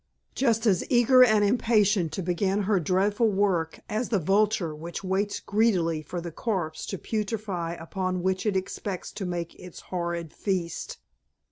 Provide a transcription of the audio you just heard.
Just as eager and impatient to begin her dreadful work as the vulture which waits greedily for the corpse to putrefy upon which it expects to make its horrid feast.